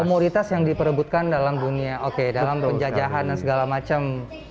komoditas yang diperebutkan dalam dunia oke dalam penjajahan dan segala macam